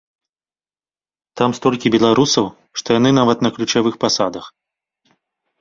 Там столькі беларусаў, што яны нават на ключавых пасадах!